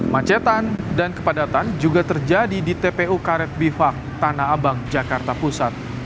macetan dan kepadatan juga terjadi di tpu karet bifak tanah abang jakarta pusat